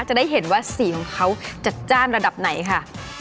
จะได้เห็นว่าสีของเขาจัดจ้านระดับไหนค่ะ